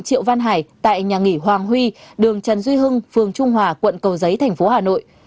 triệu văn hải tại nhà nghỉ hoàng huy đường trần duy hưng phường trung hòa quận cầu giấy thành phố hà nội